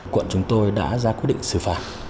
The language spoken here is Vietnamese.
quận chúng tôi đã ra quyết định xử phạt